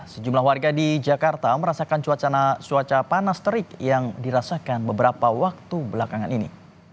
sejumlah warga di jakarta merasakan cuaca panas terik yang dirasakan beberapa waktu belakangan ini